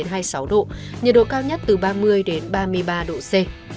nhiệt độ cao nhất từ ba mươi đến ba mươi ba độ c